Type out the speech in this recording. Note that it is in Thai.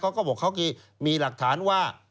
แล้วก็บอกดีมีหลักฐานว่า